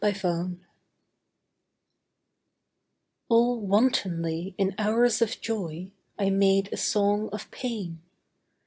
THE CALL All wantonly in hours of joy, I made a song of pain.